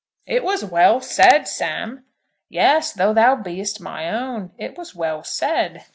"It was well said, Sam. Yes; though thou be'est my own, it was well said."